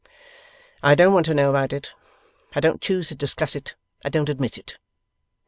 'I don't want to know about it; I don't choose to discuss it; I don't admit it!